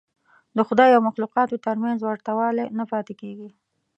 د خدای او مخلوقاتو تر منځ ورته والی نه پاتې کېږي.